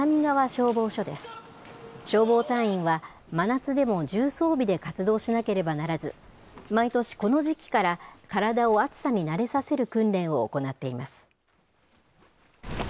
消防隊員は真夏でも重装備で活動しなければならず、毎年この時期から体を暑さに慣れさせる訓練を行っています。